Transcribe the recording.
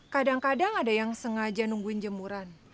kadang kadang ada yang sengaja nungguin jemuran